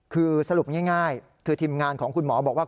คือสรุปง่ายคือทีมงานของคุณหมอบอกว่า